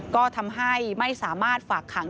ก็ทำให้ไม่สามารถฝากขัง